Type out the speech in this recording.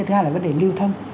thứ hai là vấn đề lưu thông